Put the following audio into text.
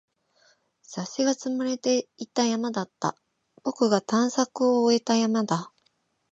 雑誌が積まれていた山だった。僕が探索を終えた山だ。